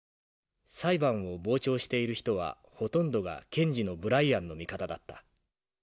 裁判を傍聴している人はほとんどが検事のブライアンの味方だった。